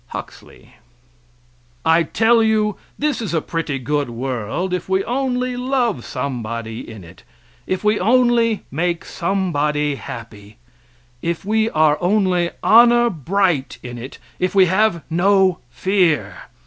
Huxley] I tell you, this is a pretty good world if we only love somebody in it, if we only make somebody happy, if we are only honor bright in it, if we have no fear.